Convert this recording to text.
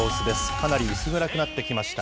かなり薄暗くなってきました。